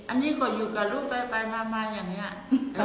อันนี้ก็อยู่กับลูกไปมาอย่างนี้